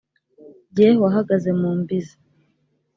jye wahagaze mu mbizi